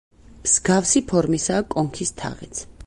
მსგავსი ფორმისაა კონქის თაღიც.